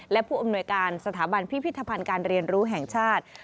และผู้อำนวยการสถาบันพิพิธภัณฑ์การเรียนรู้แห่งชาติ